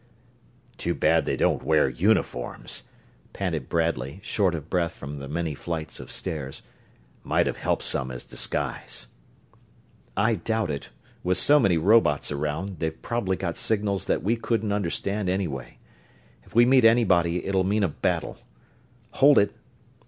"Too bad they don't wear uniforms," panted Bradley, short of breath from the many flights of stairs. "Might have helped some as disguise." "I doubt it with so many robots around, they've probably got signals that we couldn't understand, anyway. If we meet anybody it'll mean a battle. Hold it!"